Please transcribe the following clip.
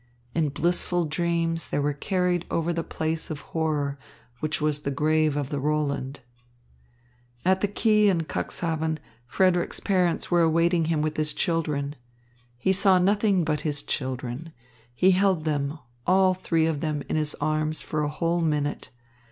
In blissful dreams they were carried over the place of horror which was the grave of the Roland. At the quay in Cuxhaven, Frederick's parents were awaiting him with his children. He saw nothing but his children. He held them, all three of them, in his arms for a whole minute.